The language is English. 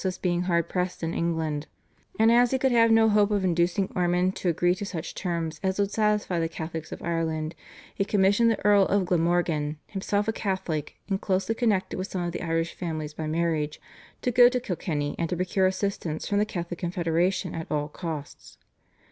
was being hard pressed in England, and as he could have no hope of inducing Ormond to agree to such terms as would satisfy the Catholics of Ireland, he commissioned the Earl of Glamorgan, himself a Catholic, and closely connected with some of the Irish families by marriage, to go to Kilkenny and to procure assistance from the Catholic Confederation at all costs.